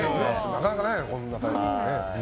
なかなかないよこんなタイミングね。